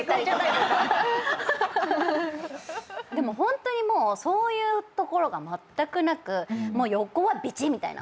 でもホントにそういうところがまったくなく横はビチッ！みたいな。